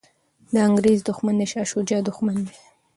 د انګریز دښمن د شاه شجاع دښمن دی.